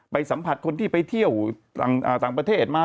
สัมผัสคนที่ไปเที่ยวต่างประเทศมา